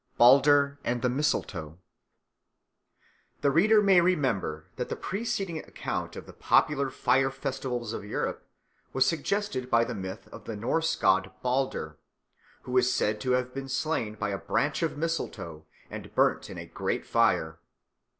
Balder and the Mistletoe THE READER may remember that the preceding account of the popular fire festivals of Europe was suggested by the myth of the Norse god Balder, who is said to have been slain by a branch of mistletoe and burnt in a great fire.